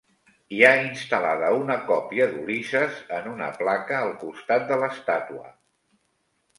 Hi ha instal·lada una còpia d'"Ulisses" en una placa al costat de l'estàtua.